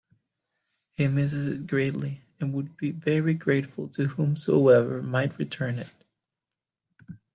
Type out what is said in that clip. He misses it greatly and would be very grateful to whomsoever might return it.